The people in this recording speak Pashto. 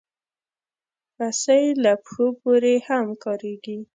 رسۍ له پښو پورې هم کارېږي.